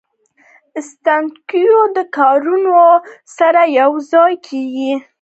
سانتیاګو د کاروان سره یو ځای کیږي.